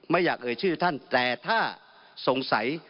ไม่อยากเอ่ยชื่อท่านแต่ถ้าสงสัย